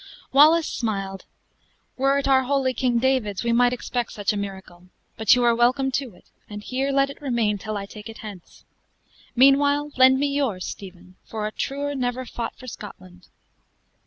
Wallace smiled. "Were it our holy King David's we might expect such a miracle. But you are welcome to it; and here let it remain till I take it hence. Meanwhile, lend me yours, Stephen, for a truer never fought for Scotland."